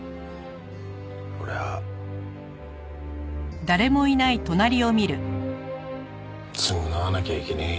俺は償わなきゃいけねえ。